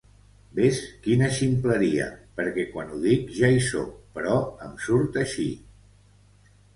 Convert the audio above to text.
Ves quina ximpleria, perquè quan ho dic ja hi soc, però em surt així.